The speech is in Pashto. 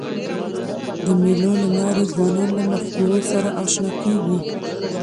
د مېلو له لاري ځوانان له مفکورو سره اشنا کېږي.